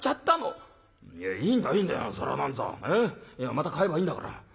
また買えばいいんだから。